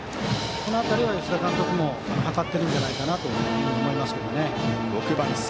この辺りは吉田監督も計っているんじゃないかなと思います。